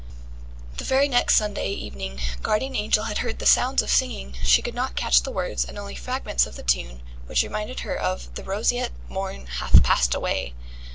The very next Sunday evening Guardian Angel had heard the sound of singing. She could not catch the words, and only fragments of the tune, which reminded her of "The roseate morn hath passed away".